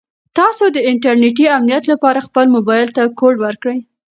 تاسو د انټرنیټي امنیت لپاره خپل موبایل ته کوډ ورکړئ.